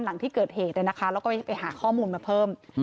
หลังที่เกิดเหตุแล้วก็ไปหาข้อมูลมาเพิ่ม